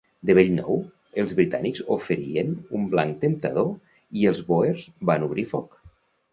De bell nou, els britànics oferien un blanc temptador i els bòers van obrir foc.